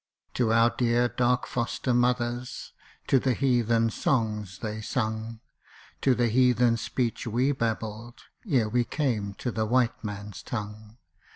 To our dear dark foster mothers, To the heathen songs they sung To the heathen speech we babbled Ere we came to the white man's tongue.